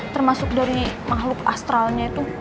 termasuk dari makhluk astralnya itu